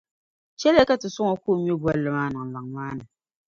Chɛliya ka ti sɔŋ o ka o ŋme bolli maa niŋ laŋ maa ni.